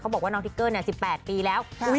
เขาบอกว่าน้องทิเกอร์เนี่ย๑๘ปีแล้ว